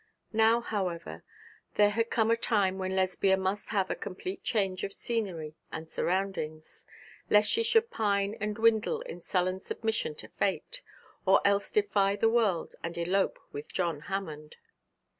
Now, however, there had come a time when Lesbia must have a complete change of scenery and surroundings, lest she should pine and dwindle in sullen submission to fate, or else defy the world and elope with John Hammond.